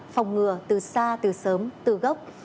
phòng ngừa từ xa từ sớm từ gốc